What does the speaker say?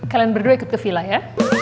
kalian berdua ikut ke villa ya